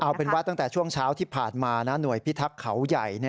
เอาเป็นว่าตั้งแต่ช่วงเช้าที่ผ่านมาหน่วยพิทักษ์เขาใหญ่